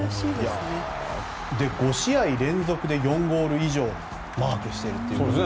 ５試合連続で４ゴール以上マークしているってことで。